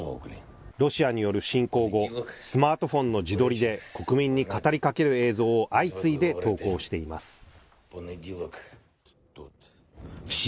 ロシアによる侵攻後、スマートフォンの自撮りで国民に語りかける映像を相次いで投稿しています。